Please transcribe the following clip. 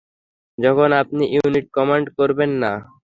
যখন আপনি unit command করবেন না?